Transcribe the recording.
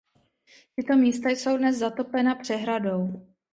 Tyto místa jsou dnes zatopena přehradou.